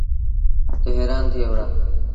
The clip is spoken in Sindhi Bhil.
تا هيرآݩ ٿئي وهُڙآ۔